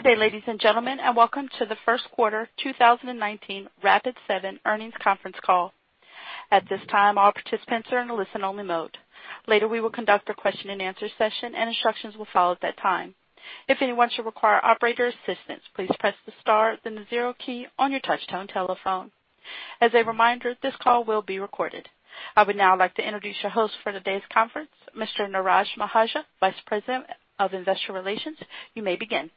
Good day, ladies and gentlemen, welcome to the first quarter 2019 Rapid7 earnings conference call. At this time, all participants are in a listen-only mode. Later, we will conduct a question and answer session, and instructions will follow at that time. If anyone should require operator assistance, please press the * then the 0 key on your touch-tone telephone. As a reminder, this call will be recorded. I would now like to introduce your host for today's conference, Mr. Neeraj Mahajan, Vice President of Investor Relations. You may begin.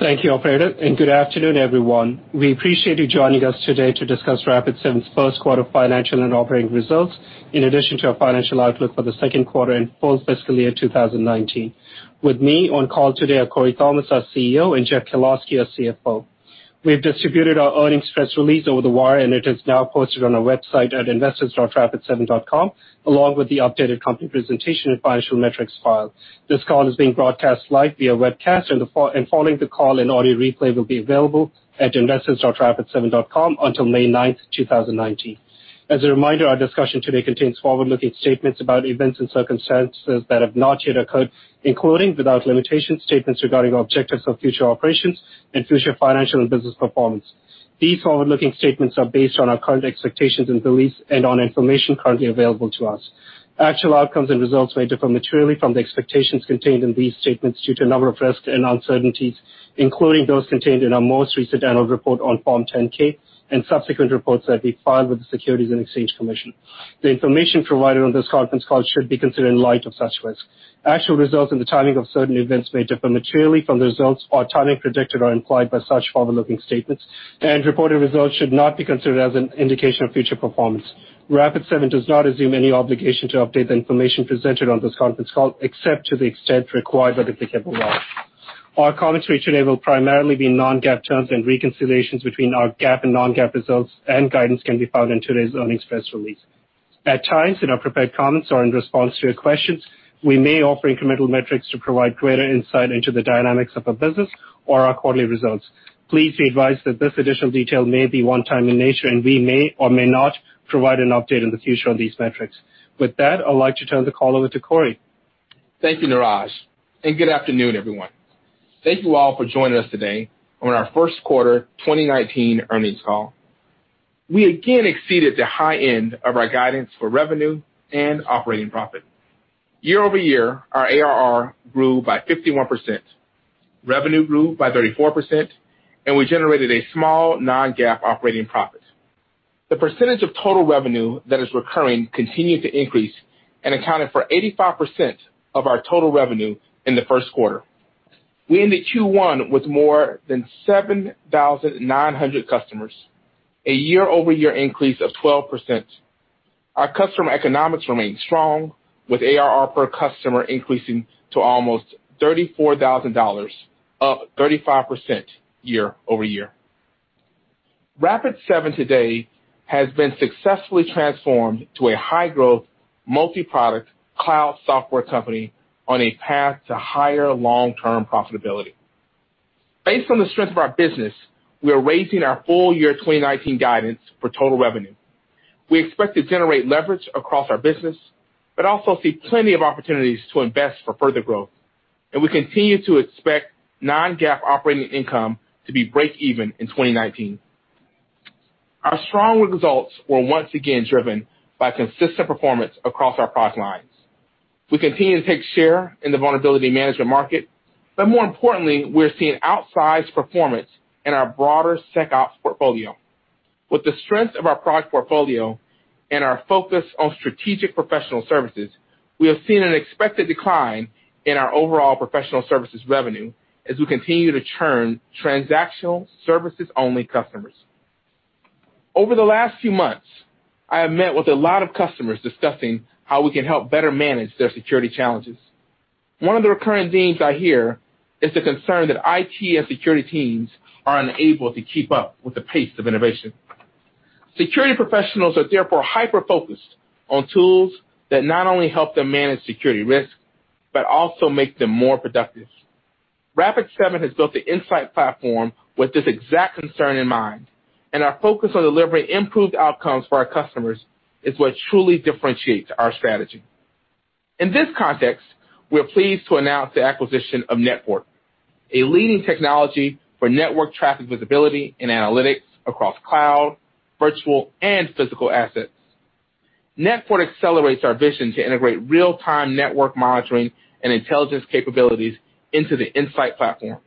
Thank you, operator, and good afternoon, everyone. We appreciate you joining us today to discuss Rapid7's first quarter financial and operating results in addition to our financial outlook for the second quarter and full fiscal year 2019. With me on call today are Corey Thomas, our CEO, and Jeff Kalowski, our CFO. We've distributed our earnings press release over the wire, and it is now posted on our website at investors.rapid7.com, along with the updated company presentation and financial metrics file. This call is being broadcast live via webcast, and following the call, an audio replay will be available at investors.rapid7.com until May 9th, 2019. As a reminder, our discussion today contains forward-looking statements about events and circumstances that have not yet occurred, including, without limitation, statements regarding objectives of future operations and future financial and business performance. These forward-looking statements are based on our current expectations and beliefs and on information currently available to us. Actual outcomes and results may differ materially from the expectations contained in these statements due to a number of risks and uncertainties, including those contained in our most recent annual report on Form 10-K and subsequent reports that we file with the Securities and Exchange Commission. The information provided on this conference call should be considered in light of such risks. Actual results and the timing of certain events may differ materially from the results or timing predicted or implied by such forward-looking statements and reported results should not be considered as an indication of future performance. Rapid7 does not assume any obligation to update the information presented on this conference call, except to the extent required by applicable law. All comments made today will primarily be non-GAAP terms, and reconciliations between our GAAP and non-GAAP results and guidance can be found in today's earnings press release. At times, in our prepared comments or in response to your questions, we may offer incremental metrics to provide greater insight into the dynamics of our business or our quarterly results. Please be advised that this additional detail may be one-time in nature, and we may or may not provide an update in the future on these metrics. With that, I'd like to turn the call over to Corey. Thank you, Neeraj, and good afternoon, everyone. Thank you all for joining us today on our first quarter 2019 earnings call. We again exceeded the high end of our guidance for revenue and operating profit. Year-over-year, our ARR grew by 51%, revenue grew by 34%, and we generated a small non-GAAP operating profit. The percentage of total revenue that is recurring continued to increase and accounted for 85% of our total revenue in the first quarter. We ended Q1 with more than 7,900 customers, a year-over-year increase of 12%. Our customer economics remain strong, with ARR per customer increasing to almost $34,000, up 35% year-over-year. Rapid7 today has been successfully transformed to a high-growth, multi-product cloud software company on a path to higher long-term profitability. Based on the strength of our business, we are raising our full year 2019 guidance for total revenue. We expect to generate leverage across our business but also see plenty of opportunities to invest for further growth. We continue to expect non-GAAP operating income to be break even in 2019. Our strong results were once again driven by consistent performance across our product lines. We continue to take share in the vulnerability management market, but more importantly, we're seeing outsized performance in our broader SecOps portfolio. With the strength of our product portfolio and our focus on strategic professional services, we have seen an expected decline in our overall professional services revenue as we continue to churn transactional services-only customers. Over the last few months, I have met with a lot of customers discussing how we can help better manage their security challenges. One of the recurring themes I hear is the concern that IT and security teams are unable to keep up with the pace of innovation. Security professionals are therefore hyper-focused on tools that not only help them manage security risks but also make them more productive. Rapid7 has built the Insight platform with this exact concern in mind, and our focus on delivering improved outcomes for our customers is what truly differentiates our strategy. In this context, we are pleased to announce the acquisition of NetFort, a leading technology for network traffic visibility and analytics across cloud, virtual, and physical assets. NetFort accelerates our vision to integrate real-time network monitoring and intelligence capabilities into the Insight platform.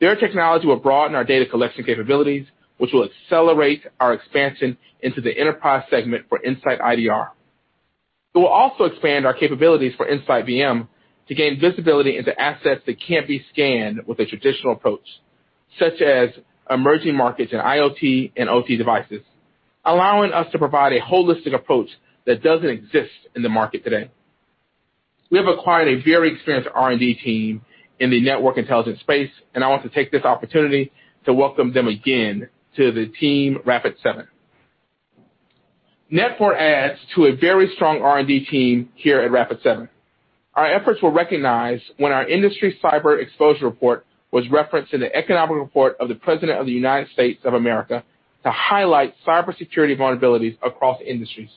Their technology will broaden our data collection capabilities, which will accelerate our expansion into the enterprise segment for InsightIDR. It will also expand our capabilities for InsightVM to gain visibility into assets that can't be scanned with a traditional approach, such as emerging markets and IoT and OT devices, allowing us to provide a holistic approach that doesn't exist in the market today. We have acquired a very experienced R&D team in the network intelligence space, and I want to take this opportunity to welcome them again to the team Rapid7. NetFort adds to a very strong R&D team here at Rapid7. Our efforts were recognized when our industry cyber exposure report was referenced in the economic report of the President of the United States of America to highlight cybersecurity vulnerabilities across industries.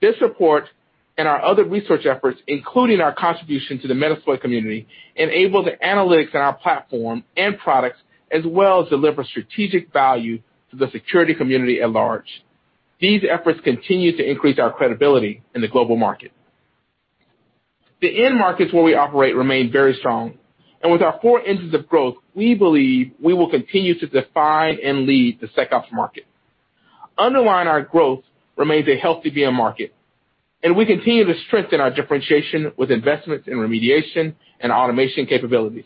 This report, and our other research efforts, including our contribution to the Metasploit community, enable the analytics in our platform and products, as well as deliver strategic value to the security community at large. These efforts continue to increase our credibility in the global market. The end markets where we operate remain very strong. With our four engines of growth, we believe we will continue to define and lead the SecOps market. Underlying our growth remains a healthy VM market, and we continue to strengthen our differentiation with investments in remediation and automation capabilities.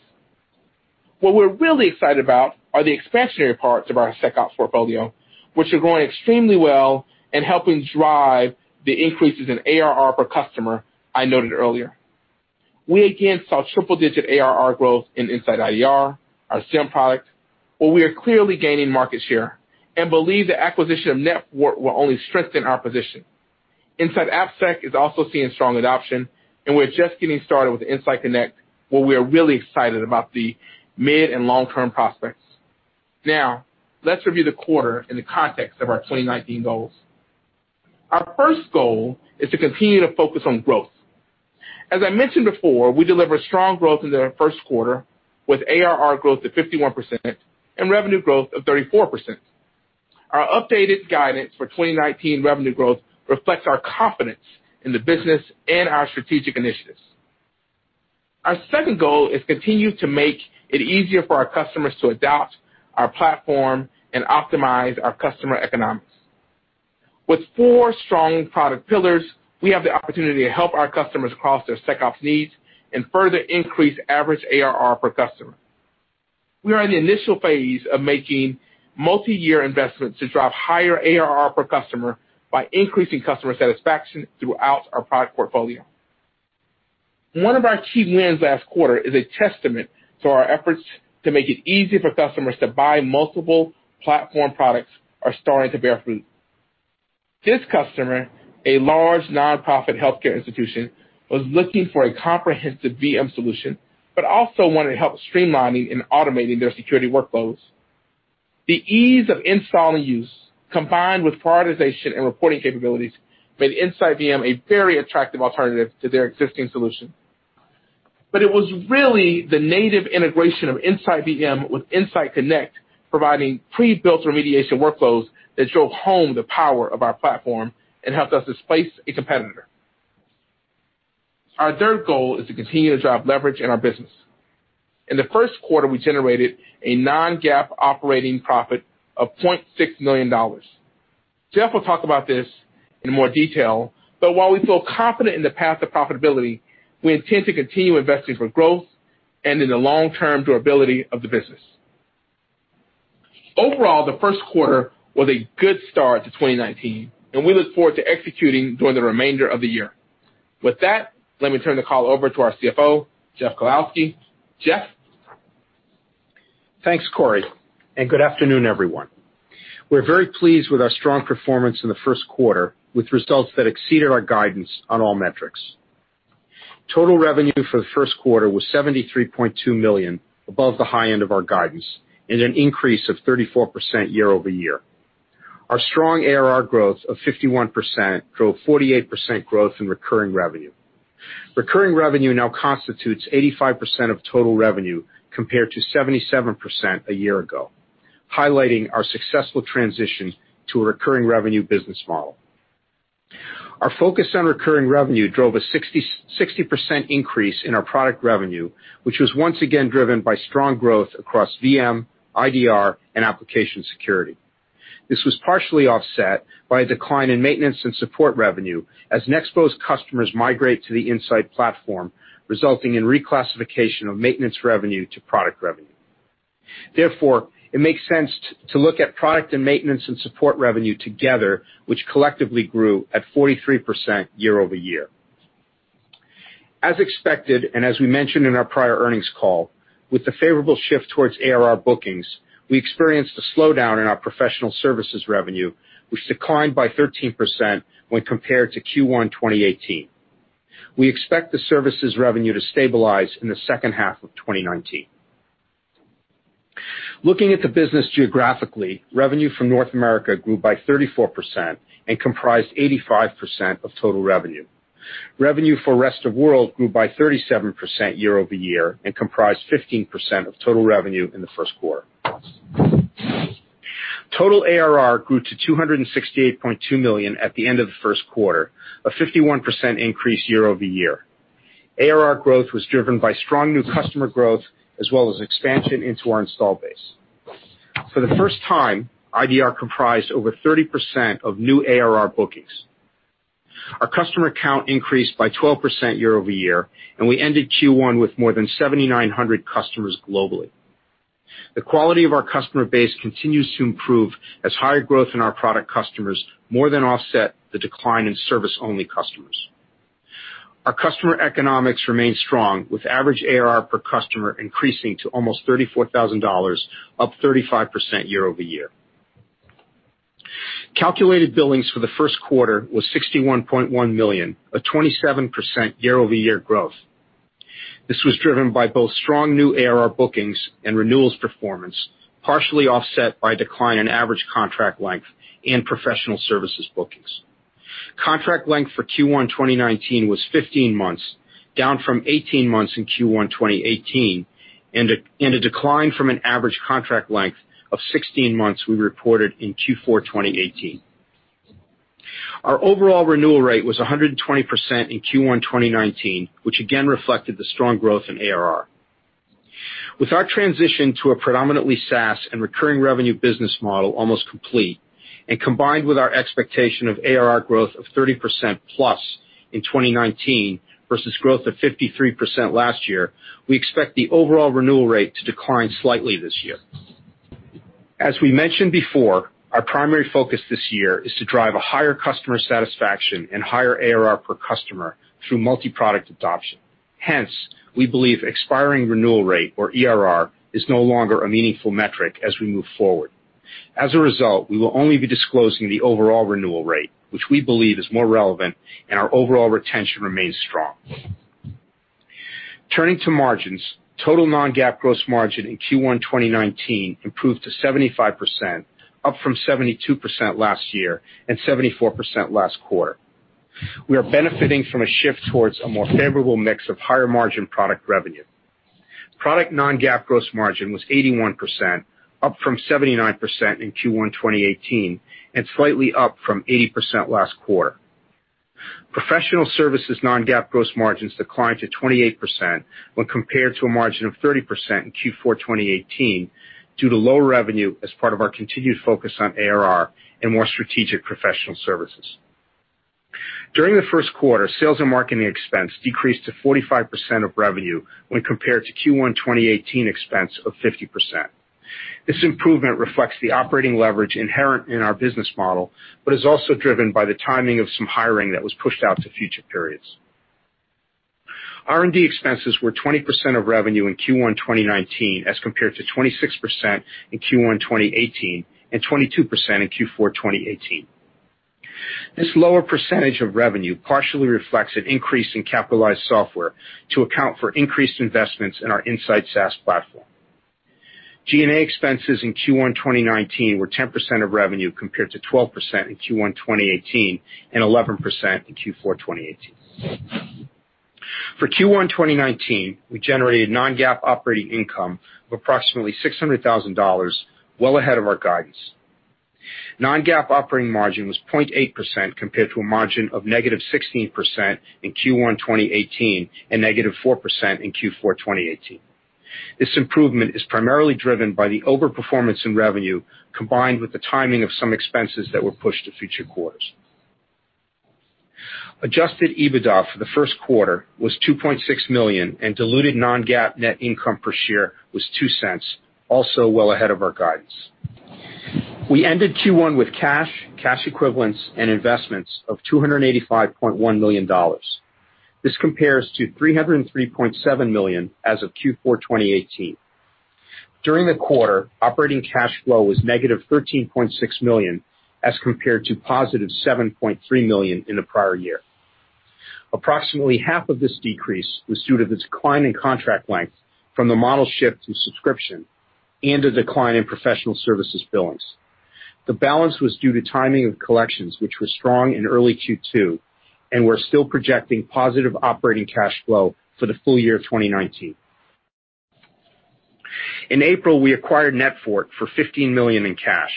What we're really excited about are the expansionary parts of our SecOps portfolio, which are growing extremely well and helping drive the increases in ARR per customer I noted earlier. We again saw triple-digit ARR growth in InsightIDR, our SIEM product, where we are clearly gaining market share and believe the acquisition of NetFort will only strengthen our position. InsightAppSec is also seeing strong adoption, and we're just getting started with InsightConnect, where we are really excited about the mid and long-term prospects. Now, let's review the quarter in the context of our 2019 goals. Our first goal is to continue to focus on growth. As I mentioned before, we delivered strong growth in the first quarter with ARR growth of 51% and revenue growth of 34%. Our updated guidance for 2019 revenue growth reflects our confidence in the business and our strategic initiatives. Our second goal is continue to make it easier for our customers to adopt our platform and optimize our customer economics. With four strong product pillars, we have the opportunity to help our customers across their SecOps needs and further increase average ARR per customer. We are in the initial phase of making multi-year investments to drive higher ARR per customer by increasing customer satisfaction throughout our product portfolio. One of our key wins last quarter is a testament to our efforts to make it easy for customers to buy multiple platform products are starting to bear fruit. This customer, a large nonprofit healthcare institution, was looking for a comprehensive VM solution, but also wanted help streamlining and automating their security workflows. The ease of install and use, combined with prioritization and reporting capabilities, made InsightVM a very attractive alternative to their existing solution. It was really the native integration of InsightVM with InsightConnect, providing pre-built remediation workflows that drove home the power of our platform and helped us displace a competitor. Our third goal is to continue to drive leverage in our business. In the first quarter, we generated a non-GAAP operating profit of $0.6 million. Jeff will talk about this in more detail, but while we feel confident in the path to profitability, we intend to continue investing for growth and in the long-term durability of the business. Overall, the first quarter was a good start to 2019, and we look forward to executing during the remainder of the year. With that, let me turn the call over to our CFO, Jeff Kalowski. Jeff? Thanks, Corey. Good afternoon, everyone. We're very pleased with our strong performance in the first quarter, with results that exceeded our guidance on all metrics. Total revenue for the first quarter was $73.2 million, above the high end of our guidance and an increase of 34% year-over-year. Our strong ARR growth of 51% drove 48% growth in recurring revenue. Recurring revenue now constitutes 85% of total revenue, compared to 77% a year ago, highlighting our successful transition to a recurring revenue business model. Our focus on recurring revenue drove a 60% increase in our product revenue, which was once again driven by strong growth across VM, IDR, and application security. This was partially offset by a decline in maintenance and support revenue as Nexpose customers migrate to the Insight platform, resulting in reclassification of maintenance revenue to product revenue. Therefore, it makes sense to look at product and maintenance and support revenue together, which collectively grew at 43% year-over-year. As expected, as we mentioned in our prior earnings call, with the favorable shift towards ARR bookings, we experienced a slowdown in our professional services revenue, which declined by 13% when compared to Q1 2018. We expect the services revenue to stabilize in the second half of 2019. Looking at the business geographically, revenue from North America grew by 34% and comprised 85% of total revenue. Revenue for rest of world grew by 37% year-over-year and comprised 15% of total revenue in the first quarter. Total ARR grew to $268.2 million at the end of the first quarter, a 51% increase year-over-year. ARR growth was driven by strong new customer growth as well as expansion into our install base. For the first time, IDR comprised over 30% of new ARR bookings. Our customer count increased by 12% year-over-year, and we ended Q1 with more than 7,900 customers globally. The quality of our customer base continues to improve as higher growth in our product customers more than offset the decline in service-only customers. Our customer economics remain strong with average ARR per customer increasing to almost $34,000, up 35% year-over-year. Calculated billings for the first quarter was $61.1 million, a 27% year-over-year growth. This was driven by both strong new ARR bookings and renewals performance, partially offset by a decline in average contract length and professional services bookings. Contract length for Q1 2019 was 15 months, down from 18 months in Q1 2018, and a decline from an average contract length of 16 months we reported in Q4 2018. Our overall renewal rate was 120% in Q1 2019, which again reflected the strong growth in ARR. With our transition to a predominantly SaaS and recurring revenue business model almost complete, combined with our expectation of ARR growth of 30%+ in 2019 versus growth of 53% last year, we expect the overall renewal rate to decline slightly this year. As we mentioned before, our primary focus this year is to drive a higher customer satisfaction and higher ARR per customer through multi-product adoption. Hence, we believe expiring renewal rate, or ERR, is no longer a meaningful metric as we move forward. As a result, we will only be disclosing the overall renewal rate, which we believe is more relevant, and our overall retention remains strong. Turning to margins, total non-GAAP gross margin in Q1 2019 improved to 75%, up from 72% last year and 74% last quarter. We are benefiting from a shift towards a more favorable mix of higher-margin product revenue. Product non-GAAP gross margin was 81%, up from 79% in Q1 2018, and slightly up from 80% last quarter. Professional services non-GAAP gross margins declined to 28% when compared to a margin of 30% in Q4 2018 due to lower revenue as part of our continued focus on ARR and more strategic professional services. During the first quarter, sales and marketing expense decreased to 45% of revenue when compared to Q1 2018 expense of 50%. This improvement reflects the operating leverage inherent in our business model, is also driven by the timing of some hiring that was pushed out to future periods. R&D expenses were 20% of revenue in Q1 2019 as compared to 26% in Q1 2018 and 22% in Q4 2018. This lower percentage of revenue partially reflects an increase in capitalized software to account for increased investments in our Insight SaaS platform. G&A expenses in Q1 2019 were 10% of revenue compared to 12% in Q1 2018 and 11% in Q4 2018. For Q1 2019, we generated non-GAAP operating income of approximately $600,000, well ahead of our guidance. Non-GAAP operating margin was 0.8% compared to a margin of negative 16% in Q1 2018 and negative 4% in Q4 2018. This improvement is primarily driven by the over-performance in revenue, combined with the timing of some expenses that were pushed to future quarters. Adjusted EBITDA for the first quarter was $2.6 million, and diluted non-GAAP net income per share was $0.02, also well ahead of our guidance. We ended Q1 with cash equivalents, and investments of $285.1 million. This compares to $303.7 million as of Q4 2018. During the quarter, operating cash flow was negative $13.6 million as compared to positive $7.3 million in the prior year. Approximately half of this decrease was due to the decline in contract length from the model shift to subscription and a decline in professional services billings. The balance was due to timing of collections, which were strong in early Q2. We're still projecting positive operating cash flow for the full year 2019. In April, we acquired NetFort for $15 million in cash.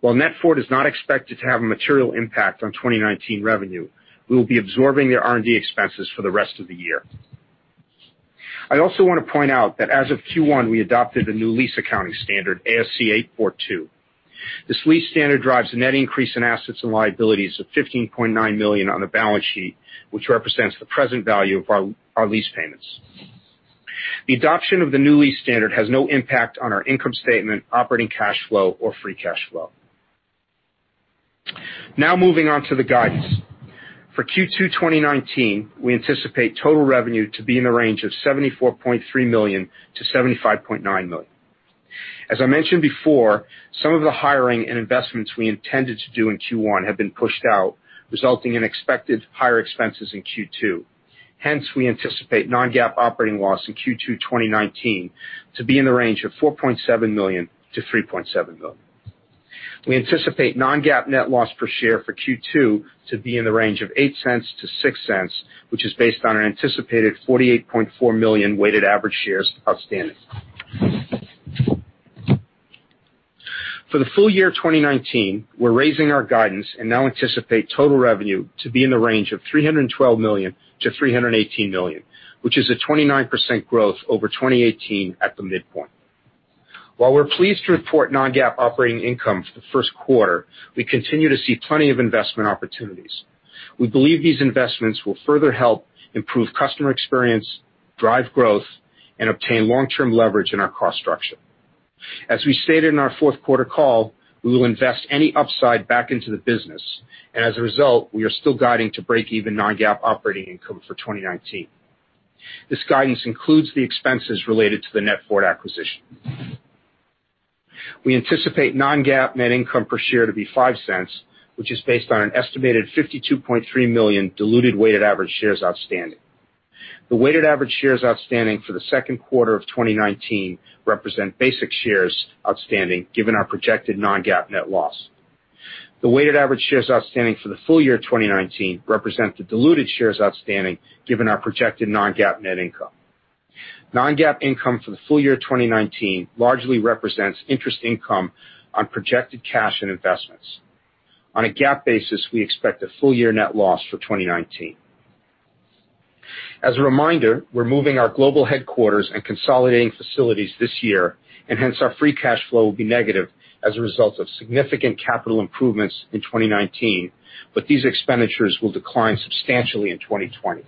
While NetFort is not expected to have a material impact on 2019 revenue, we will be absorbing their R&D expenses for the rest of the year. I also want to point out that as of Q1, we adopted a new lease accounting standard, ASC 842. This lease standard drives a net increase in assets and liabilities of $15.9 million on the balance sheet, which represents the present value of our lease payments. The adoption of the new lease standard has no impact on our income statement, operating cash flow, or free cash flow. Moving on to the guidance. For Q2 2019, we anticipate total revenue to be in the range of $74.3 million-$75.9 million. As I mentioned before, some of the hiring and investments we intended to do in Q1 have been pushed out, resulting in expected higher expenses in Q2. Hence, we anticipate non-GAAP operating loss in Q2 2019 to be in the range of $4.7 million-$3.7 million. We anticipate non-GAAP net loss per share for Q2 to be in the range of $0.08-$0.06, which is based on an anticipated 48.4 million weighted average shares outstanding. For the full year 2019, we are raising our guidance and now anticipate total revenue to be in the range of $312 million-$318 million, which is a 29% growth over 2018 at the midpoint. While we are pleased to report non-GAAP operating income for the first quarter, we continue to see plenty of investment opportunities. We believe these investments will further help improve customer experience, drive growth, and obtain long-term leverage in our cost structure. As we stated in our fourth quarter call, we will invest any upside back into the business, and as a result, we are still guiding to break even non-GAAP operating income for 2019. This guidance includes the expenses related to the NetFort acquisition. We anticipate non-GAAP net income per share to be $0.05, which is based on an estimated 52.3 million diluted weighted average shares outstanding. The weighted average shares outstanding for the second quarter of 2019 represent basic shares outstanding, given our projected non-GAAP net loss. The weighted average shares outstanding for the full year 2019 represent the diluted shares outstanding given our projected non-GAAP net income. Non-GAAP income for the full year 2019 largely represents interest income on projected cash and investments. On a GAAP basis, we expect a full-year net loss for 2019. As a reminder, we are moving our global headquarters and consolidating facilities this year, and hence, our free cash flow will be negative as a result of significant capital improvements in 2019, but these expenditures will decline substantially in 2020.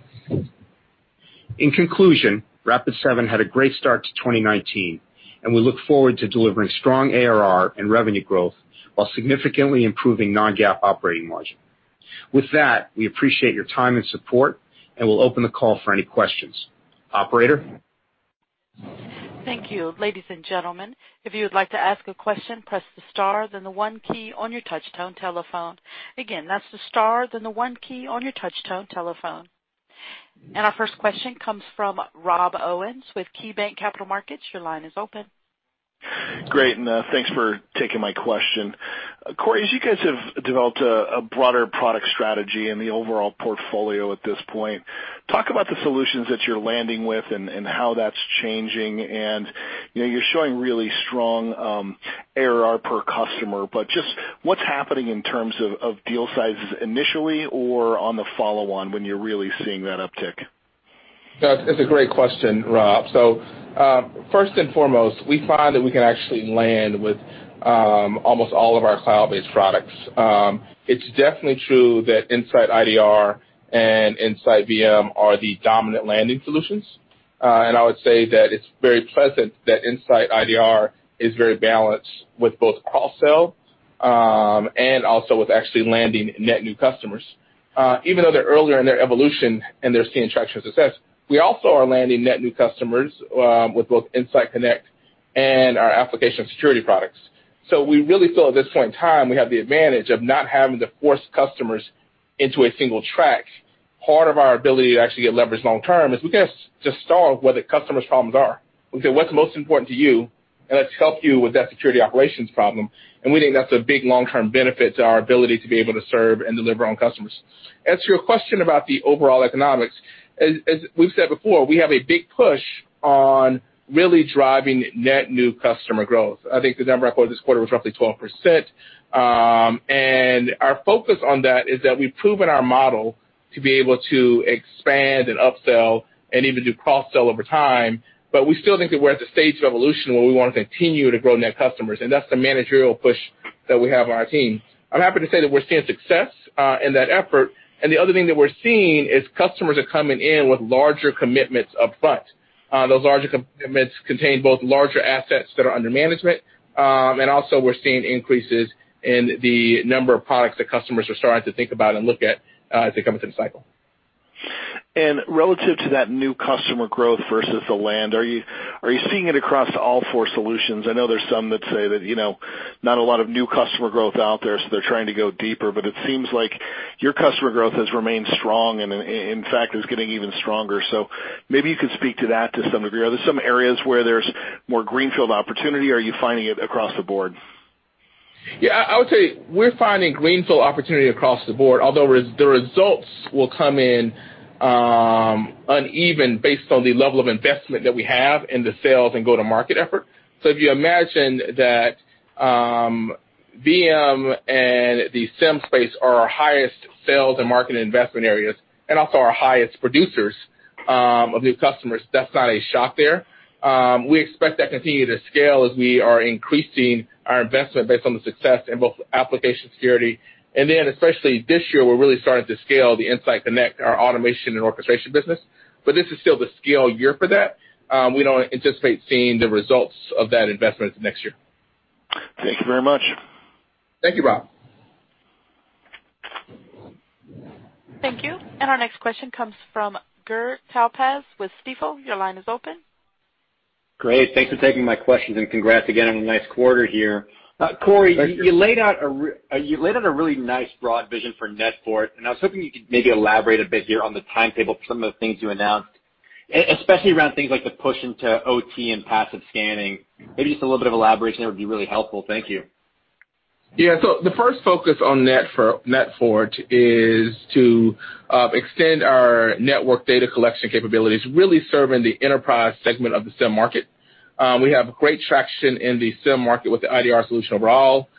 In conclusion, Rapid7 had a great start to 2019, and we look forward to delivering strong ARR and revenue growth while significantly improving non-GAAP operating margin. With that, we appreciate your time and support, and we will open the call for any questions. Operator? Thank you. Ladies and gentlemen, if you would like to ask a question, press the star then the one key on your touchtone telephone. Again, that's the star then the one key on your touchtone telephone. And our first question comes from Rob Owens with KeyBanc Capital Markets. Your line is open. Great, thanks for taking my question. Corey, as you guys have developed a broader product strategy in the overall portfolio at this point, talk about the solutions that you're landing with and how that's changing. You're showing really strong ARR per customer, but just what's happening in terms of deal sizes initially or on the follow-on when you're really seeing that uptick? That's a great question, Rob. First and foremost, we find that we can actually land with almost all of our cloud-based products. It's definitely true that InsightIDR and InsightVM are the dominant landing solutions. I would say that it's very pleasant that InsightIDR is very balanced with both cross-sell, and also with actually landing net new customers. Even though they're earlier in their evolution and they're seeing traction and success, we also are landing net new customers with both InsightConnect and our application security products. We really feel at this point in time, we have the advantage of not having to force customers into a single track. Part of our ability to actually get leverage long term is we can just start where the customer's problems are. We can say, "What's most important to you? Let's help you with that security operations problem." We think that's a big long-term benefit to our ability to be able to serve and deliver on customers. As to your question about the overall economics, as we've said before, we have a big push on really driving net new customer growth. I think the number I quoted this quarter was roughly 12%. Our focus on that is that we've proven our model to be able to expand and upsell and even do cross-sell over time, but we still think that we're at the stage of evolution where we want to continue to grow net customers, and that's the managerial push that we have on our team. I'm happy to say that we're seeing success in that effort. The other thing that we're seeing is customers are coming in with larger commitments up front. Those larger commitments contain both larger assets that are under management. Also we're seeing increases in the number of products that customers are starting to think about and look at as they come into the cycle. Relative to that new customer growth versus the land, are you seeing it across all four solutions? I know there's some that say that not a lot of new customer growth out there, so they're trying to go deeper, but it seems like your customer growth has remained strong and in fact is getting even stronger. Maybe you could speak to that to some degree. Are there some areas where there's more greenfield opportunity? Are you finding it across the board? Yeah. I would say we're finding greenfield opportunity across the board, although the results will come in uneven based on the level of investment that we have in the sales and go-to-market effort. If you imagine that VM and the SIEM space are our highest sales and market investment areas and also our highest producers of new customers, that's not a shock there. We expect that to continue to scale as we are increasing our investment based on the success in both application security, and then especially this year, we're really starting to scale the InsightConnect, our automation and orchestration business. This is still the scale year for that. We don't anticipate seeing the results of that investment next year. Thank you very much. Thank you, Rob. Thank you. Our next question comes from Gur Talpaz with Stifel. Your line is open. Great. Thanks for taking my questions, and congrats again on a nice quarter here. Corey. Thank you. You laid out a really nice broad vision for NetFort, and I was hoping you could maybe elaborate a bit here on the timetable for some of the things you announced, especially around things like the push into OT and passive scanning. Maybe just a little bit of elaboration there would be really helpful. Thank you. Yeah. The first focus on NetFort is to extend our network data collection capabilities, really serving the enterprise segment of the SIEM market. We have great traction in the SIEM market with the IDR solution overall.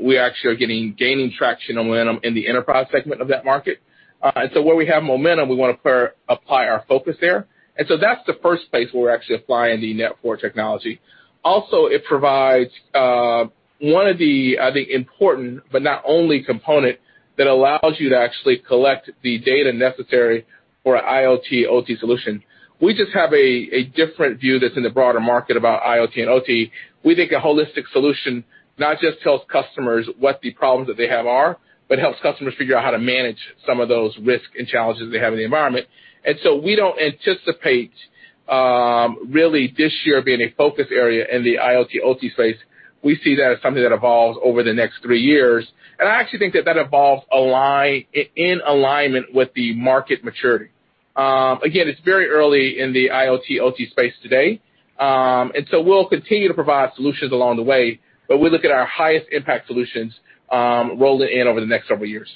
We actually are gaining traction and momentum in the enterprise segment of that market. Where we have momentum, we want to apply our focus there. That's the first place where we're actually applying the NetFort technology. Also, it provides One of the, I think, important but not only component that allows you to actually collect the data necessary for an IoT/OT solution. We just have a different view that's in the broader market about IoT and OT. We think a holistic solution not just tells customers what the problems that they have are, but helps customers figure out how to manage some of those risks and challenges they have in the environment. We don't anticipate, really this year being a focus area in the IoT/OT space. We see that as something that evolves over the next three years, and I actually think that that evolves in alignment with the market maturity. Again, it's very early in the IoT/OT space today. We'll continue to provide solutions along the way, but we look at our highest impact solutions rolling in over the next several years.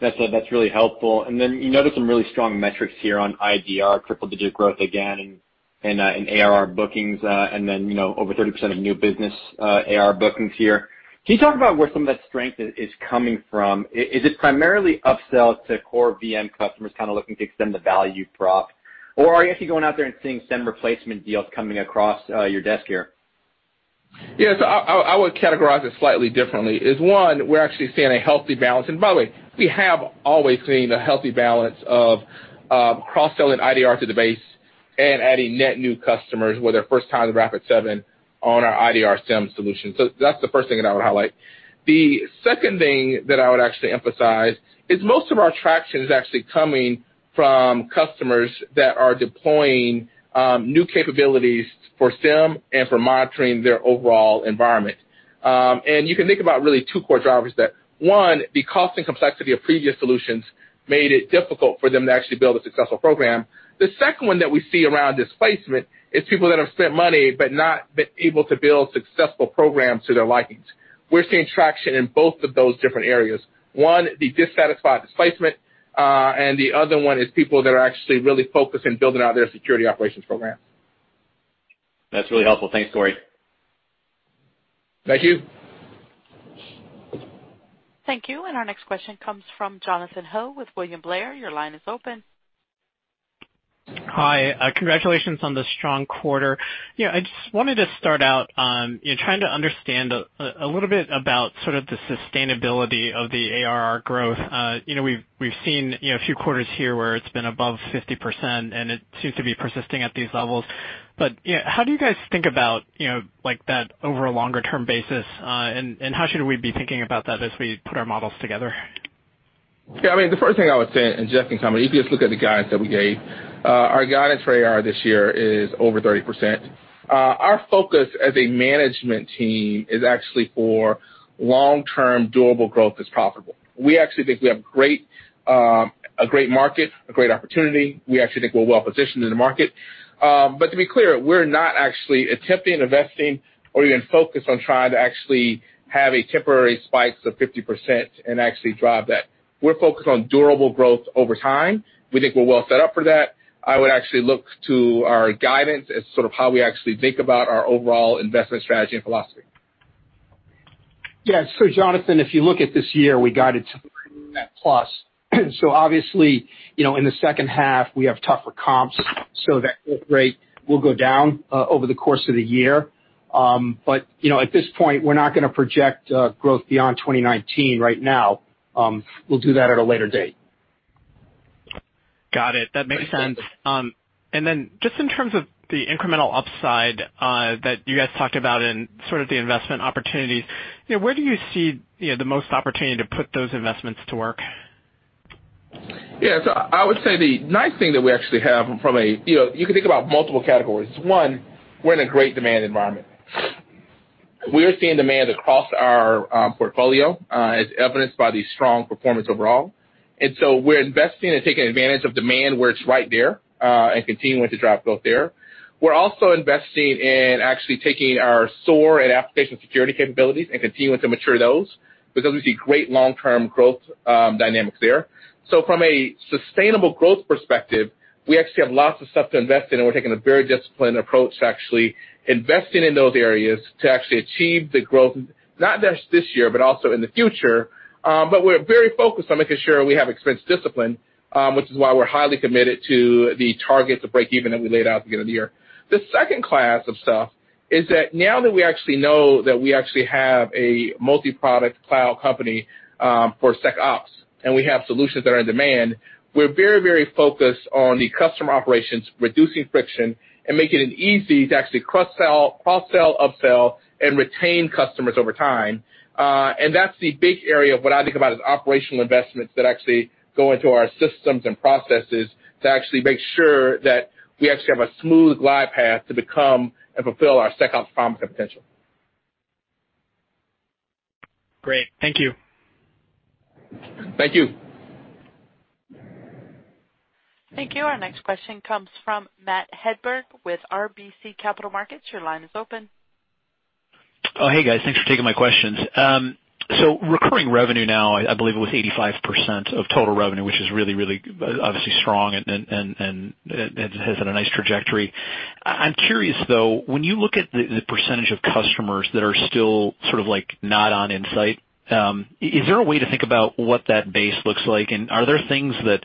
That's really helpful. You noted some really strong metrics here on IDR, triple-digit growth again and ARR bookings, and then over 30% of new business ARR bookings here. Can you talk about where some of that strength is coming from? Is it primarily upsell to core VM customers kind of looking to extend the value prop? Or are you actually going out there and seeing SIEM replacement deals coming across your desk here? Yeah. I would categorize it slightly differently is, one, we're actually seeing a healthy balance. By the way, we have always seen a healthy balance of cross-selling IDR to the base and adding net new customers where they're first time with Rapid7 on our IDR SIEM solution. That's the first thing that I would highlight. The second thing that I would actually emphasize is most of our traction is actually coming from customers that are deploying new capabilities for SIEM and for monitoring their overall environment. You can think about really two core drivers that, one, the cost and complexity of previous solutions made it difficult for them to actually build a successful program. The second one that we see around displacement is people that have spent money but not been able to build successful programs to their likings. We're seeing traction in both of those different areas. One, the dissatisfied displacement, and the other one is people that are actually really focused on building out their security operations program. That's really helpful. Thanks, Corey. Thank you. Thank you. Our next question comes from Jonathan Ho with William Blair. Your line is open. Hi. Congratulations on the strong quarter. I just wanted to start out, trying to understand a little bit about sort of the sustainability of the ARR growth. We've seen a few quarters here where it's been above 50%, and it seems to be persisting at these levels. How do you guys think about like that over a longer-term basis? How should we be thinking about that as we put our models together? Yeah. The first thing I would say, Jeff Kalowski can comment, if you just look at the guidance that we gave, our guidance for ARR this year is over 30%. Our focus as a management team is actually for long-term durable growth that's profitable. We actually think we have a great market, a great opportunity. We actually think we're well-positioned in the market. To be clear, we're not actually attempting, investing, or even focused on trying to actually have a temporary spike to 50% and actually drive that. We're focused on durable growth over time. We think we're well set up for that. I would actually look to our guidance as sort of how we actually think about our overall investment strategy and philosophy. Yeah. Jonathan Ho, if you look at this year, we guided to plus. Obviously, in the second half we have tougher comps, so that growth rate will go down over the course of the year. At this point, we're not going to project growth beyond 2019 right now. We'll do that at a later date. Got it. That makes sense. Just in terms of the incremental upside that you guys talked about in sort of the investment opportunities, where do you see the most opportunity to put those investments to work? I would say the nice thing that we actually have from a You can think about multiple categories. One, we're in a great demand environment. We're seeing demand across our portfolio, as evidenced by the strong performance overall. We're investing and taking advantage of demand where it's right there, and continuing to drive growth there. We're also investing in actually taking our SOAR and application security capabilities and continuing to mature those because we see great long-term growth dynamics there. From a sustainable growth perspective, we actually have lots of stuff to invest in, and we're taking a very disciplined approach to actually investing in those areas to actually achieve the growth, not just this year, but also in the future. We're very focused on making sure we have expense discipline, which is why we're highly committed to the target to break even that we laid out at the beginning of the year. The second class of stuff is that now that we actually know that we actually have a multi-product cloud company, for SecOps, and we have solutions that are in demand, we're very focused on the customer operations, reducing friction, and making it easy to actually cross-sell, upsell, and retain customers over time. That's the big area of what I think about as operational investments that actually go into our systems and processes to actually make sure that we actually have a smooth live path to become and fulfill our SecOps promise and potential. Great. Thank you. Thank you. Thank you. Our next question comes from Matthew Hedberg with RBC Capital Markets. Your line is open. Oh, hey, guys. Thanks for taking my questions. Recurring revenue now, I believe it was 85% of total revenue, which is really obviously strong and has had a nice trajectory. I'm curious, though, when you look at the percentage of customers that are still sort of like not on Insight, is there a way to think about what that base looks like? Are there things that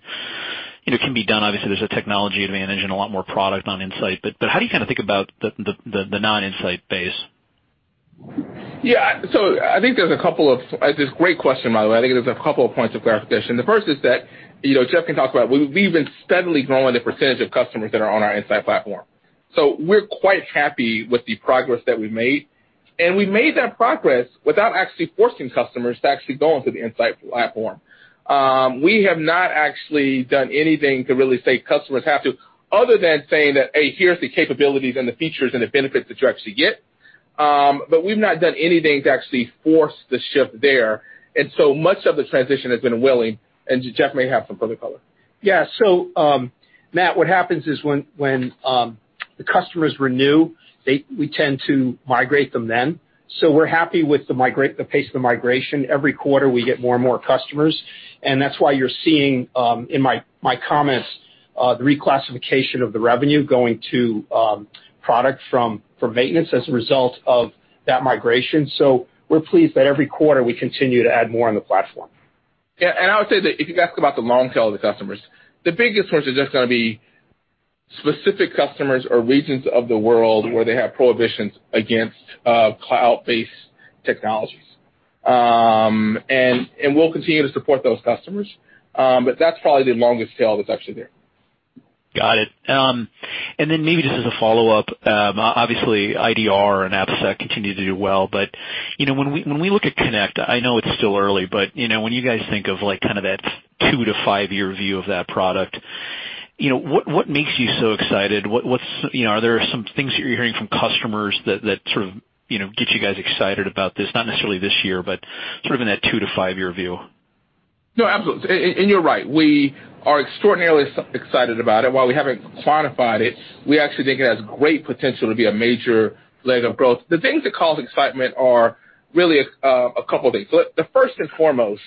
can be done. Obviously, there's a technology advantage and a lot more product on Insight. How do you think about the non-Insight base? Yeah. Great question, by the way. I think there's a couple of points of clarification. The first is that, Jeff can talk about, we've been steadily growing the percentage of customers that are on our Insight platform. We're quite happy with the progress that we've made, and we made that progress without actually forcing customers to actually go onto the Insight platform. We have not actually done anything to really say customers have to, other than saying that, "Hey, here's the capabilities and the features and the benefits that you actually get." We've not done anything to actually force the shift there, and so much of the transition has been willing, and Jeff may have some further color. Yeah. Matt, what happens is when the customers renew, we tend to migrate them then. We're happy with the pace of the migration. Every quarter, we get more and more customers, and that's why you're seeing in my comments the reclassification of the revenue going to product from maintenance as a result of that migration. We're pleased that every quarter we continue to add more on the platform. I would say that if you ask about the long tail of the customers, the biggest ones are just going to be specific customers or regions of the world where they have prohibitions against cloud-based technologies. We'll continue to support those customers, but that's probably the longest tail that's actually there. Got it. Then maybe just as a follow-up, obviously IDR and AppSec continue to do well. When we look at Connect, I know it's still early, but when you guys think of that two to five-year view of that product, what makes you so excited? Are there some things that you're hearing from customers that get you guys excited about this, not necessarily this year, but in that two to five-year view? No, absolutely. You're right, we are extraordinarily excited about it. While we haven't quantified it, we actually think it has great potential to be a major leg of growth. The things that cause excitement are really a couple of things. The first and foremost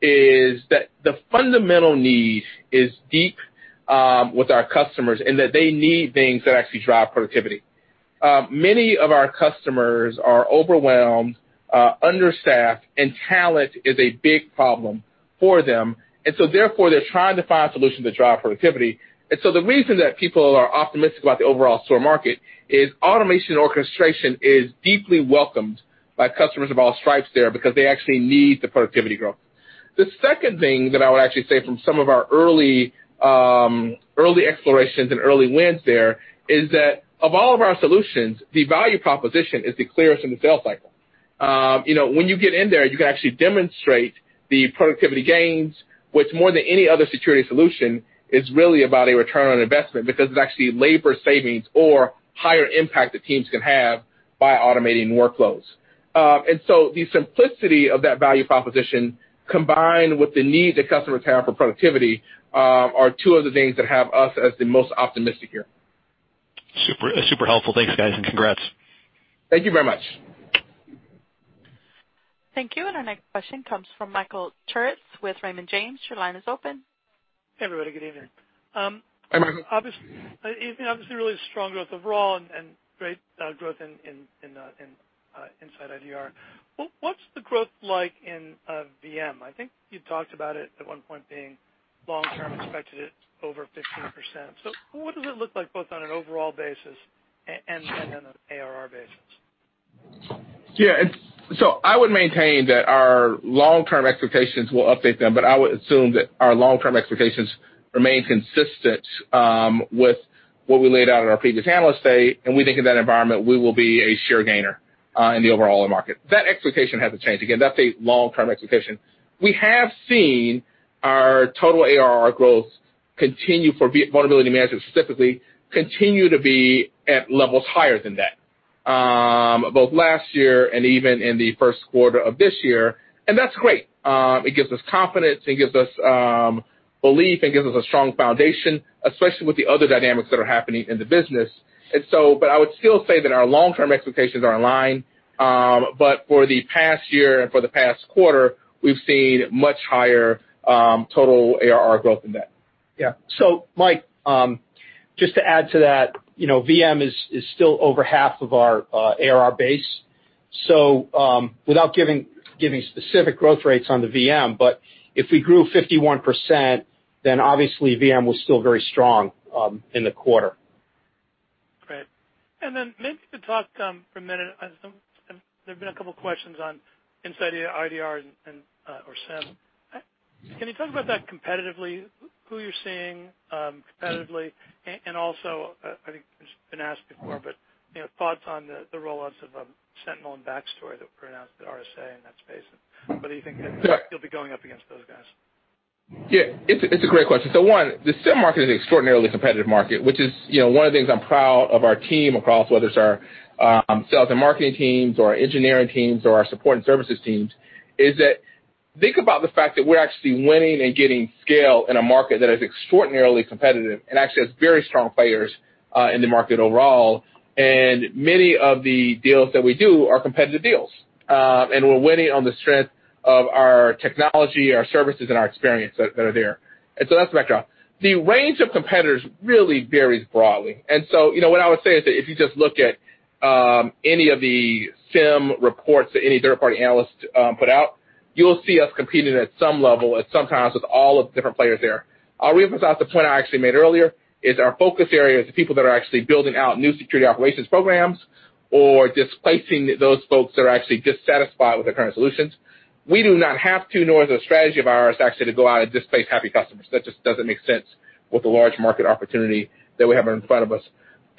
is that the fundamental need is deep with our customers, and that they need things that actually drive productivity. Many of our customers are overwhelmed, understaffed, and talent is a big problem for them. Therefore, they're trying to find solutions that drive productivity. The reason that people are optimistic about the overall SOAR market is automation orchestration is deeply welcomed by customers of all stripes there because they actually need the productivity growth. The second thing that I would actually say from some of our early explorations and early wins there is that of all of our solutions, the value proposition is the clearest in the sales cycle. When you get in there, you can actually demonstrate the productivity gains, which more than any other security solution, is really about a return on investment because it's actually labor savings or higher impact that teams can have by automating workflows. The simplicity of that value proposition, combined with the need that customers have for productivity, are two of the things that have us as the most optimistic here. Super helpful. Thanks, guys, congrats. Thank you very much. Thank you. Our next question comes from Michael Turits with Raymond James. Your line is open. Hey, everybody. Good evening. Hi, Michael. Obviously, really strong growth overall and great growth in InsightIDR. What's the growth like in VM? I think you talked about it at one point being long-term expected at over 15%. What does it look like both on an overall basis and then on an ARR basis? Yeah. I would maintain that our long-term expectations, we'll update them, but I would assume that our long-term expectations remain consistent with what we laid out in our previous Analyst Day, and we think in that environment, we will be a share gainer in the overall market. That expectation hasn't changed. Again, that's a long-term expectation. We have seen our total ARR growth continue for Vulnerability Management specifically, continue to be at levels higher than that, both last year and even in the first quarter of this year, and that's great. It gives us confidence, it gives us belief, and gives us a strong foundation, especially with the other dynamics that are happening in the business. I would still say that our long-term expectations are in line. For the past year and for the past quarter, we've seen much higher total ARR growth than that. Yeah. Mike, just to add to that, VM is still over half of our ARR base. Without giving specific growth rates on the VM, but if we grew 51%, obviously VM was still very strong in the quarter. Great. Maybe to talk for a minute, there have been a couple of questions on InsightIDR or SIEM. Can you talk about that competitively, who you're seeing competitively? Also, I think it's been asked before, but thoughts on the rollouts of Sentinel and Backstory that were announced at RSA in that space, and whether you think you'll be going up against those guys. Yeah. It's a great question. One, the SIEM market is an extraordinarily competitive market, which is one of the things I'm proud of our team across, whether it's our sales and marketing teams or our engineering teams or our support and services teams, is that think about the fact that we're actually winning and getting scale in a market that is extraordinarily competitive and actually has very strong players in the market overall. Many of the deals that we do are competitive deals. We're winning on the strength of our technology, our services, and our experience that are there. That's the backdrop. The range of competitors really varies broadly. What I would say is that if you just look at any of the SIEM reports that any third-party analysts put out. You'll see us competing at some level and sometimes with all of the different players there. I'll reemphasize the point I actually made earlier, is our focus area is the people that are actually building out new security operations programs or displacing those folks that are actually dissatisfied with their current solutions. We do not have to, nor is it a strategy of ours, actually, to go out and displace happy customers. That just doesn't make sense with the large market opportunity that we have in front of us.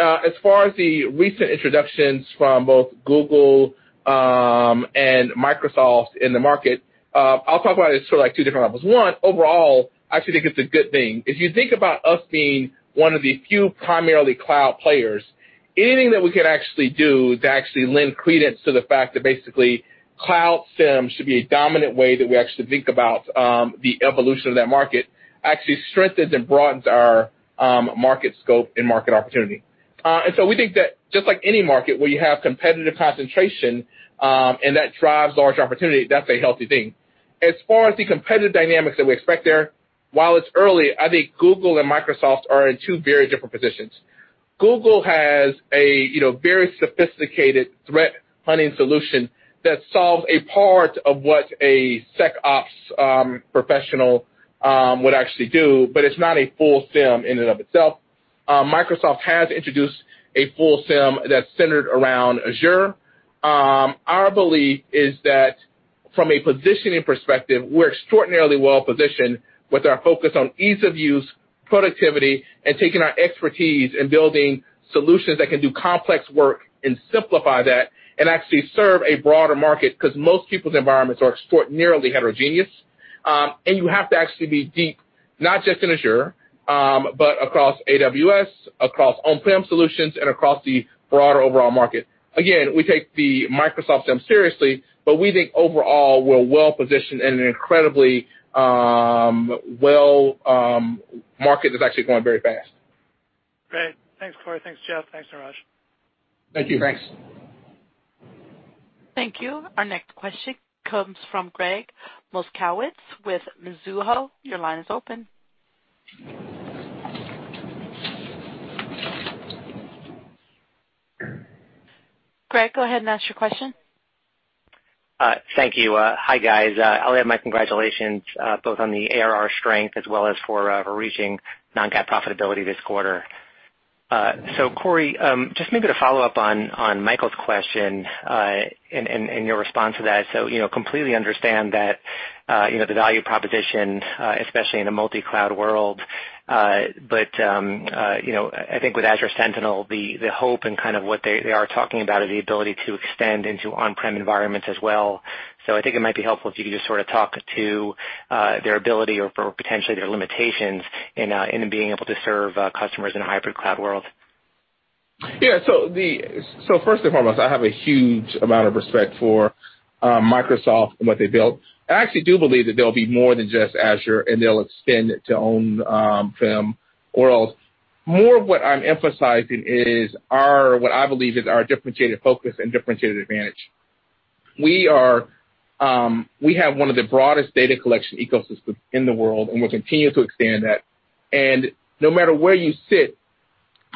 As far as the recent introductions from both Google and Microsoft in the market, I'll talk about it sort of like two different levels. Overall, I actually think it's a good thing. If you think about us being one of the few primarily cloud players, anything that we can actually do to actually lend credence to the fact that basically cloud SIEM should be a dominant way that we actually think about the evolution of that market actually strengthens and broadens our market scope and market opportunity. We think that just like any market where you have competitive concentration, and that drives large opportunity, that's a healthy thing. As far as the competitive dynamics that we expect there, while it's early, I think Google and Microsoft are in two very different positions. Google has a very sophisticated threat hunting solution that solves a part of what a SecOps professional would actually do, but it's not a full SIEM in and of itself. Microsoft has introduced a full SIEM that's centered around Azure. Our belief is that from a positioning perspective, we're extraordinarily well-positioned with our focus on ease of use, productivity, and taking our expertise and building solutions that can do complex work and simplify that and actually serve a broader market because most people's environments are extraordinarily heterogeneous. You have to actually be deep, not just in Azure, but across AWS, across on-prem solutions, and across the broader overall market. Again, we take the Microsoft SIEM seriously, but we think overall, we're well-positioned in an incredibly well market that's actually growing very fast. Great. Thanks, Corey. Thanks, Jeff. Thanks, Neeraj. Thank you. Thanks. Thank you. Our next question comes from Gregg Moskowitz with Mizuho. Your line is open. Gregg, go ahead and ask your question. Thank you. Hi, guys. I'll add my congratulations both on the ARR strength as well as for reaching non-GAAP profitability this quarter. Corey, just maybe to follow up on Michael's question, and your response to that. Completely understand that the value proposition, especially in a multi-cloud world, but I think with Microsoft Sentinel, the hope and kind of what they are talking about is the ability to extend into on-prem environments as well. I think it might be helpful if you could just sort of talk to their ability or potentially their limitations in being able to serve customers in a hybrid cloud world. Yeah. First and foremost, I have a huge amount of respect for Microsoft and what they built. I actually do believe that they'll be more than just Azure, and they'll extend to on-prem worlds. More of what I'm emphasizing is what I believe is our differentiated focus and differentiated advantage. We have one of the broadest data collection ecosystems in the world, and we're continuing to expand that. No matter where you sit,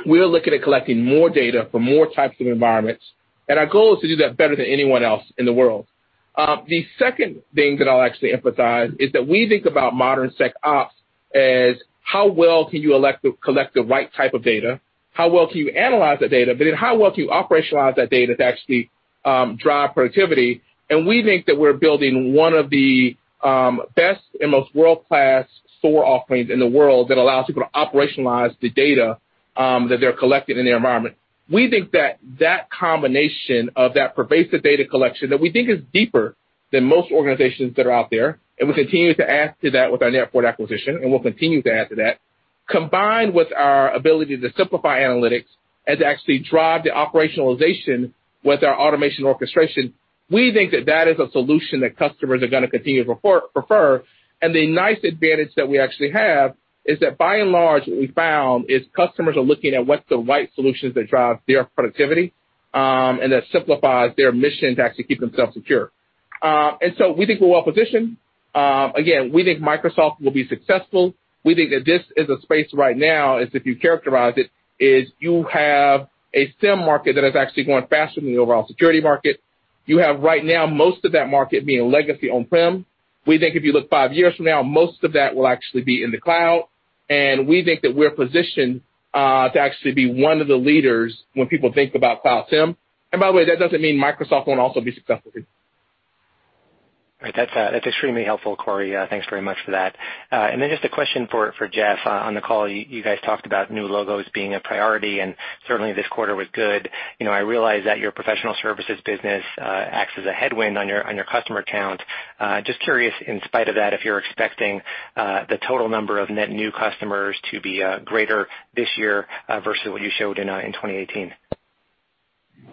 we're looking at collecting more data for more types of environments. Our goal is to do that better than anyone else in the world. The second thing that I'll actually emphasize is that we think about modern SecOps as how well can you collect the right type of data, how well can you analyze that data, but then how well can you operationalize that data to actually drive productivity. We think that we're building one of the best and most world-class SOAR offerings in the world that allows people to operationalize the data that they're collecting in their environment. We think that that combination of that pervasive data collection that we think is deeper than most organizations that are out there, and we continue to add to that with our NetFort acquisition, and we'll continue to add to that, combined with our ability to simplify analytics and to actually drive the operationalization with our automation orchestration. We think that that is a solution that customers are going to continue to prefer. The nice advantage that we actually have is that by and large, what we found is customers are looking at what the right solutions that drive their productivity, and that simplifies their mission to actually keep themselves secure. We think we're well-positioned. Again, we think Microsoft will be successful. We think that this is a space right now, as if you characterize it, is you have a SIEM market that is actually growing faster than the overall security market. You have right now most of that market being legacy on-prem. We think if you look five years from now, most of that will actually be in the cloud, and we think that we're positioned to actually be one of the leaders when people think about cloud SIEM. By the way, that doesn't mean Microsoft won't also be successful here. Right. That's extremely helpful, Corey. Thanks very much for that. Just a question for Jeff on the call. You guys talked about new logos being a priority, and certainly this quarter was good. I realize that your professional services business acts as a headwind on your customer count. Just curious, in spite of that, if you're expecting the total number of net new customers to be greater this year versus what you showed in 2018.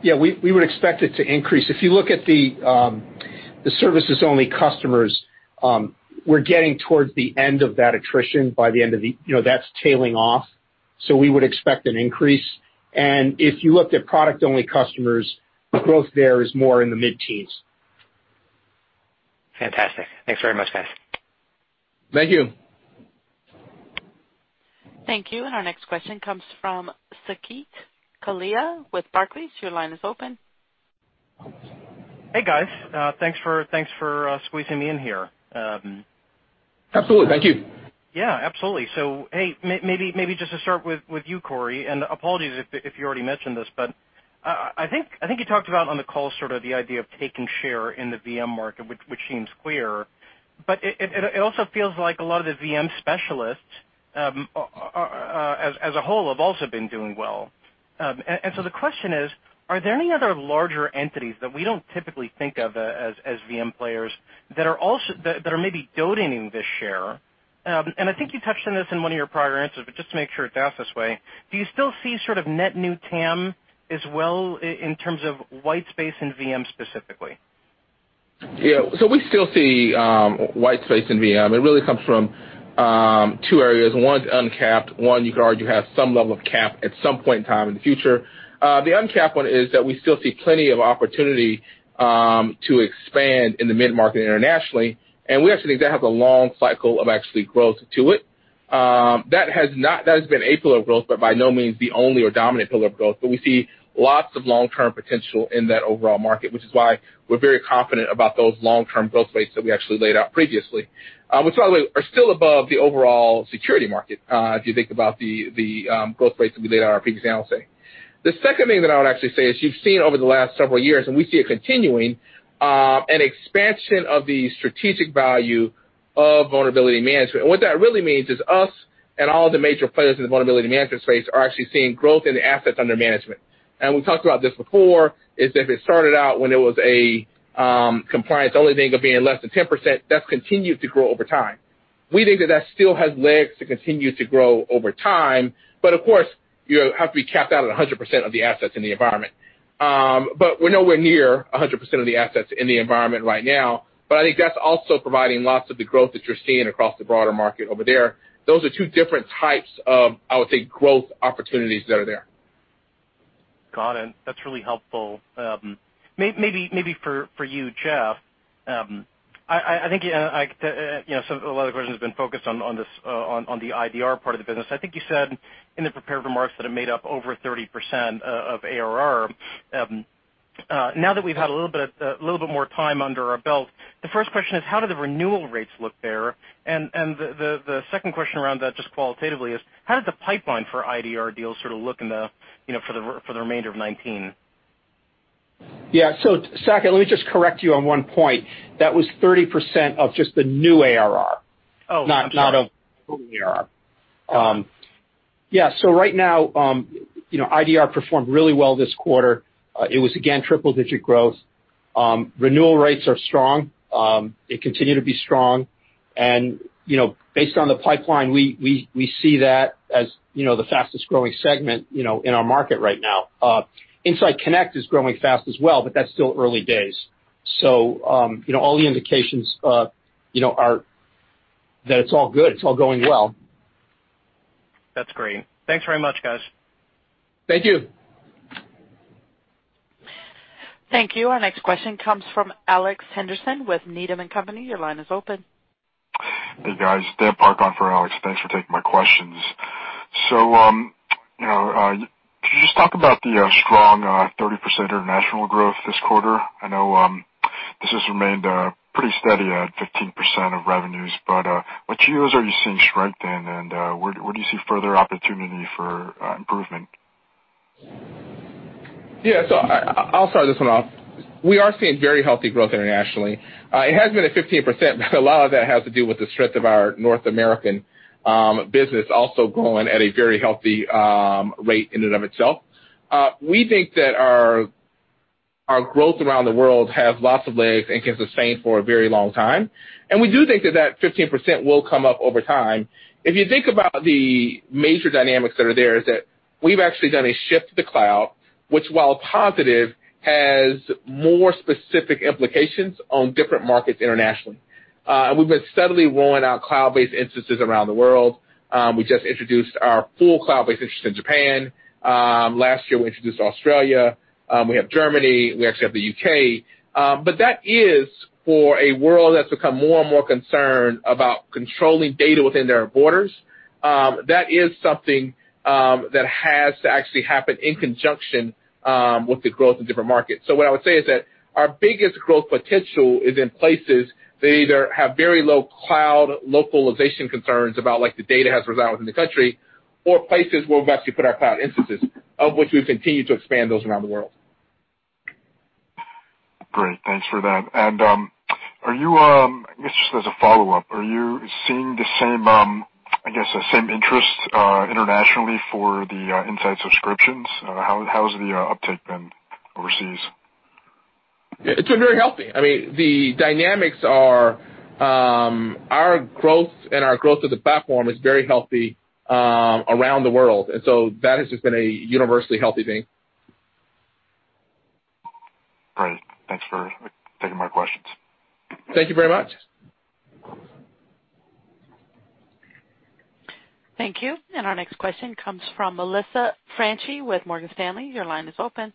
Yeah. We would expect it to increase. If you look at the services-only customers, we're getting towards the end of that attrition. That's tailing off. We would expect an increase. If you looked at product-only customers, growth there is more in the mid-teens. Fantastic. Thanks very much, guys. Thank you. Thank you. Our next question comes from Saket Kalia with Barclays. Your line is open. Hey, guys. Thanks for squeezing me in here. Absolutely. Thank you. Yeah, absolutely. Hey, maybe just to start with you, Corey, apologies if you already mentioned this, I think you talked about on the call sort of the idea of taking share in the VM market, which seems clear. It also feels like a lot of the VM specialists as a whole have also been doing well. The question is, are there any other larger entities that we don't typically think of as VM players that are maybe dotting this share? I think you touched on this in one of your prior answers, just to make sure it's asked this way, do you still see sort of net new TAM as well in terms of white space in VM specifically? Yeah. We still see white space in VM. It really comes from two areas. One is uncapped. One, you could argue, has some level of cap at some point in time in the future. The uncapped one is that we still see plenty of opportunity to expand in the mid-market internationally, and we actually think that has a long cycle of actually growth to it. That has been a pillar of growth, but by no means the only or dominant pillar of growth. We see lots of long-term potential in that overall market, which is why we're very confident about those long-term growth rates that we actually laid out previously, which are still above the overall security market, if you think about the growth rates that we laid out in our previous analysis. The second thing that I would actually say is you've seen over the last several years, and we see it continuing, an expansion of the strategic value of vulnerability management. What that really means is us and all the major players in the vulnerability management space are actually seeing growth in the assets under management. We talked about this before, is that it started out when it was a compliance-only thing of being less than 10%. That's continued to grow over time. We think that that still has legs to continue to grow over time, but of course, you have to be capped out at 100% of the assets in the environment. We're nowhere near 100% of the assets in the environment right now, but I think that's also providing lots of the growth that you're seeing across the broader market over there. Those are two different types of, I would say, growth opportunities that are there. Got it. That's really helpful. Maybe for you, Jeff, I think a lot of the questions have been focused on the IDR part of the business. I think you said in the prepared remarks that it made up over 30% of ARR. Now that we've had a little bit more time under our belt, the first question is, how do the renewal rates look there? The second question around that, just qualitatively, is how does the pipeline for IDR deals sort of look for the remainder of 2019? Saket, let me just correct you on one point. That was 30% of just the new ARR. Oh, I'm sorry. Not of total ARR. Yeah. Right now, InsightIDR performed really well this quarter. It was again triple-digit growth. Renewal rates are strong. They continue to be strong. Based on the pipeline, we see that as the fastest-growing segment in our market right now. InsightConnect is growing fast as well, that's still early days. All the indications are that it's all good, it's all going well. That's great. Thanks very much, guys. Thank you. Thank you. Our next question comes from Alex Henderson with Needham & Company. Your line is open. Hey, guys. Dan Park on for Alex. Thanks for taking my questions. Could you just talk about the strong 30% international growth this quarter? I know this has remained pretty steady at 15% of revenues, but what geos are you seeing strength in, and where do you see further opportunity for improvement? Yeah. I'll start this one off. We are seeing very healthy growth internationally. It has been at 15%, but a lot of that has to do with the strength of our North American business also growing at a very healthy rate in and of itself. We think that our growth around the world has lots of legs and can sustain for a very long time, and we do think that that 15% will come up over time. If you think about the major dynamics that are there, is that we've actually done a shift to the cloud, which, while positive, has more specific implications on different markets internationally. We've been steadily rolling out cloud-based instances around the world. We just introduced our full cloud-based instance in Japan. Last year we introduced Australia. We have Germany, we actually have the U.K. That is for a world that's become more and more concerned about controlling data within their borders. That is something that has to actually happen in conjunction with the growth in different markets. What I would say is that our biggest growth potential is in places that either have very low cloud localization concerns about the data has to reside within the country, or places where we've actually put our cloud instances, of which we've continued to expand those around the world. Great. Thanks for that. I guess just as a follow-up, are you seeing the same, I guess, interest internationally for the Insight subscriptions? How has the uptake been overseas? It's been very healthy. The dynamics are our growth and our growth of the platform is very healthy around the world, that has just been a universally healthy thing. Great. Thanks for taking my questions. Thank you very much. Thank you. Our next question comes from Melissa Franchi with Morgan Stanley. Your line is open.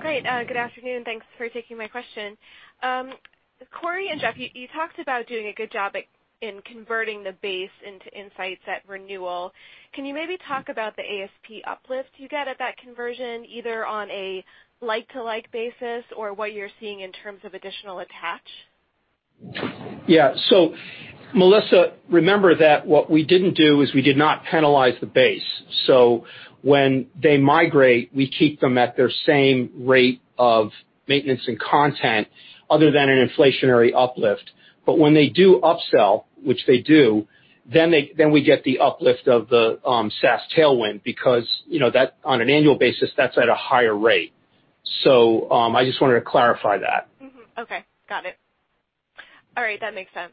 Great. Good afternoon. Thanks for taking my question. Corey and Jeff, you talked about doing a good job in converting the base into Insights at renewal. Can you maybe talk about the ASP uplift you get at that conversion, either on a like-to-like basis, or what you're seeing in terms of additional attach? Yeah. Melissa, remember that what we didn't do is we did not penalize the base. When they migrate, we keep them at their same rate of maintenance and content other than an inflationary uplift. When they do upsell, which they do, we get the uplift of the SaaS tailwind, because on an annual basis, that's at a higher rate. I just wanted to clarify that. Okay, got it. All right, that makes sense.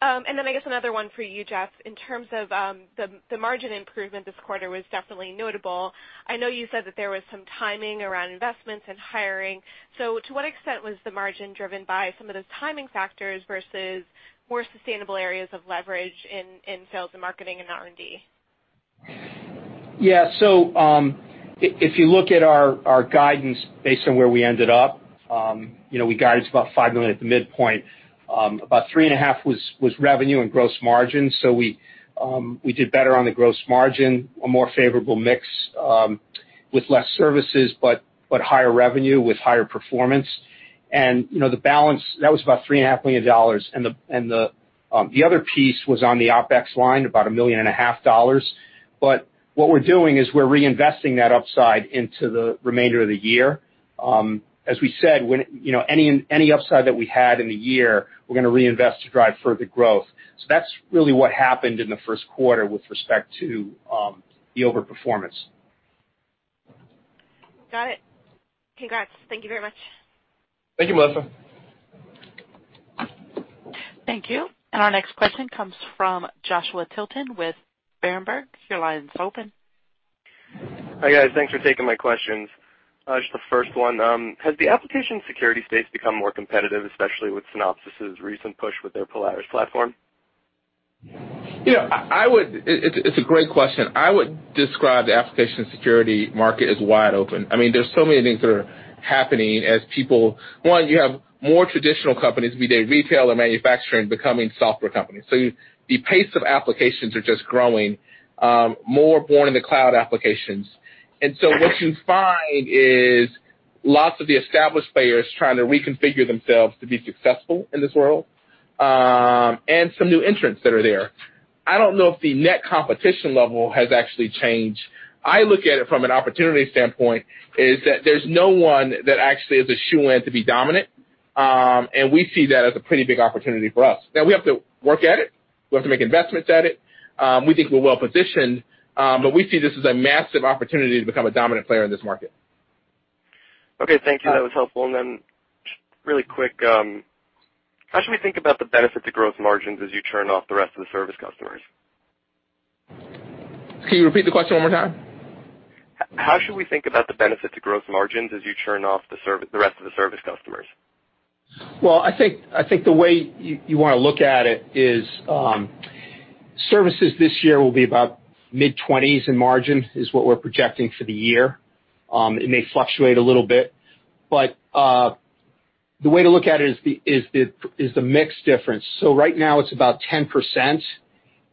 I guess another one for you, Jeff, in terms of the margin improvement this quarter was definitely notable. I know you said that there was some timing around investments and hiring. To what extent was the margin driven by some of those timing factors versus more sustainable areas of leverage in sales and marketing and R&D? Yeah. If you look at our guidance based on where we ended up, we guided about $5 million at the midpoint. About three and a half was revenue and gross margin. We did better on the gross margin, a more favorable mix with less services, but higher revenue with higher performance. The balance, that was about $3.5 million. The other piece was on the OpEx line, about a million and a half dollars. What we're doing is we're reinvesting that upside into the remainder of the year. As we said, any upside that we had in the year, we're going to reinvest to drive further growth. That's really what happened in the first quarter with respect to the over-performance. Got it. Congrats. Thank you very much. Thank you, Melissa. Thank you. Our next question comes from Joshua Tilton with Berenberg. Your line is open. Hi, guys. Thanks for taking my questions. Just the first one, has the application security space become more competitive, especially with Synopsys' recent push with their Polaris platform? It's a great question. I would describe the application security market as wide open. There's so many things that are happening as one, you have more traditional companies, be they retail or manufacturing, becoming software companies. The pace of applications are just growing, more born in the cloud applications. What you find is lots of the established players trying to reconfigure themselves to be successful in this world, and some new entrants that are there. I don't know if the net competition level has actually changed. I look at it from an opportunity standpoint, is that there's no one that actually has a shoe in to be dominant. We see that as a pretty big opportunity for us. Now, we have to work at it. We have to make investments at it. We think we're well-positioned, but we see this as a massive opportunity to become a dominant player in this market. Okay, thank you. That was helpful. Just really quick, how should we think about the benefit to gross margins as you churn off the rest of the service customers? Can you repeat the question one more time? How should we think about the benefit to gross margins as you churn off the rest of the service customers? Well, I think the way you want to look at it is services this year will be about mid-20s in margin, is what we're projecting for the year. It may fluctuate a little bit, the way to look at it is the mix difference. Right now it's about 10%,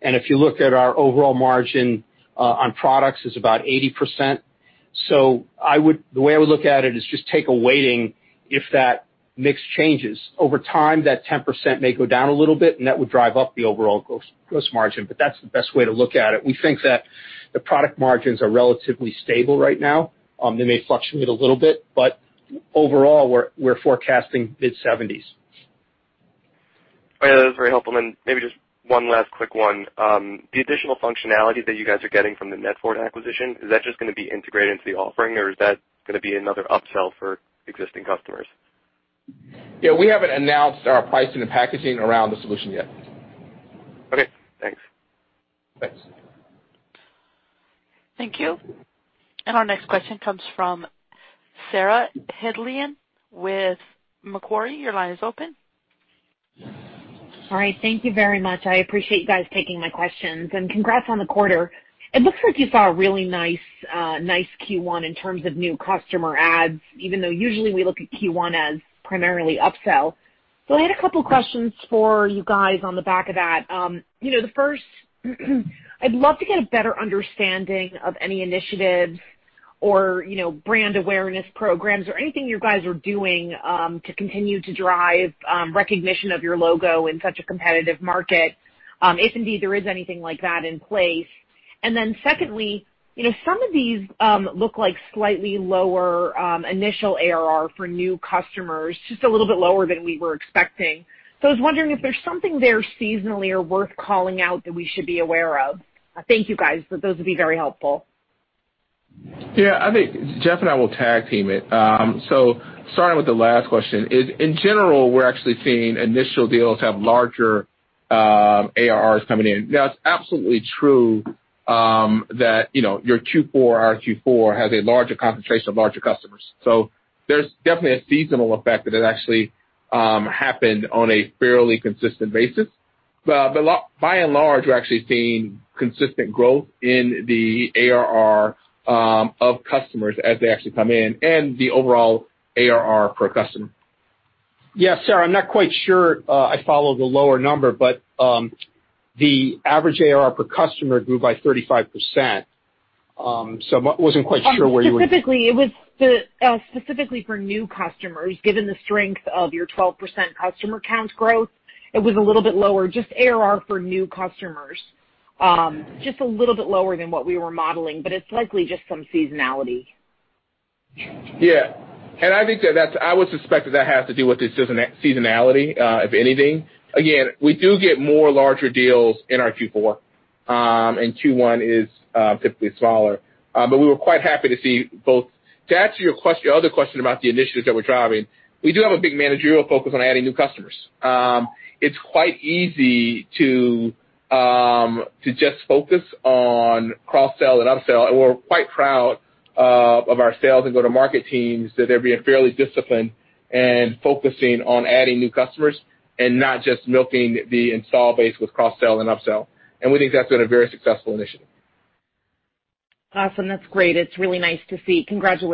and if you look at our overall margin on products, it's about 80%. The way I would look at it is just take a weighting if that mix changes. Over time, that 10% may go down a little bit, and that would drive up the overall gross margin, that's the best way to look at it. We think that the product margins are relatively stable right now. They may fluctuate a little bit, overall, we're forecasting mid-70s. That's very helpful. Maybe just one last quick one. The additional functionality that you guys are getting from the NetFort acquisition, is that just going to be integrated into the offering, or is that going to be another upsell for existing customers? Yeah, we haven't announced our pricing and packaging around the solution yet. Okay, thanks. Thanks. Thank you. Our next question comes from Sarah Hindlian with Macquarie. Your line is open. Right. Thank you very much. I appreciate you guys taking my questions. Congrats on the quarter. It looks like you saw a really nice Q1 in terms of new customer adds, even though usually we look at Q1 as primarily upsell. I had a couple questions for you guys on the back of that. The first, I'd love to get a better understanding of any initiatives or brand awareness programs or anything you guys are doing to continue to drive recognition of your logo in such a competitive market, if indeed there is anything like that in place. Then secondly, some of these look like slightly lower initial ARR for new customers, just a little bit lower than we were expecting. I was wondering if there's something there seasonally or worth calling out that we should be aware of. Thank you, guys. Those would be very helpful. I think Jeff and I will tag team it. Starting with the last question. In general, we're actually seeing initial deals have larger ARRs coming in. It's absolutely true that our Q4 has a larger concentration of larger customers. There's definitely a seasonal effect that has actually happened on a fairly consistent basis. By and large, we're actually seeing consistent growth in the ARR of customers as they actually come in and the overall ARR per customer. Sarah, I'm not quite sure I follow the lower number, but the average ARR per customer grew by 35%. I wasn't quite sure where you were- Specifically for new customers, given the strength of your 12% customer count growth, it was a little bit lower, just ARR for new customers. Just a little bit lower than what we were modeling. It's likely just some seasonality. Yeah. I would suspect that that has to do with the seasonality, if anything. We do get more larger deals in our Q4. Q1 is typically smaller. We were quite happy to see both. To answer your other question about the initiatives that we're driving, we do have a big managerial focus on adding new customers. It's quite easy to just focus on cross-sell and upsell. We're quite proud of our sales and go-to-market teams, that they're being fairly disciplined and focusing on adding new customers and not just milking the install base with cross-sell and upsell. We think that's been a very successful initiative. Awesome. That's great. It's really nice to see. Congratulations.